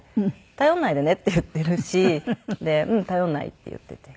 「頼らないでね」って言っているしで「うん。頼らない」って言っていて。